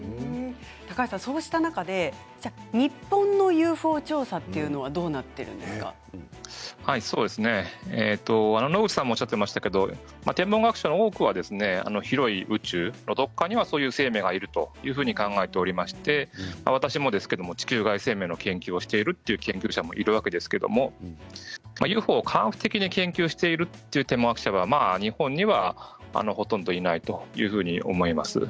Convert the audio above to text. そうした中で日本のＵＦＯ調査というのは野口さんもおっしゃっていましたが、天文学者の多くは広い宇宙のどこかにはそういう生命がいるというふうに考えておりまして私もですけど地球外生命の研究をしている研究者もいるわけですけれどもＵＦＯを科学的に研究しているという天文学者は、日本にはほとんどいないというふうに思います。